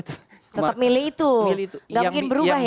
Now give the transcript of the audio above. tetap milih itu nggak mungkin berubah ya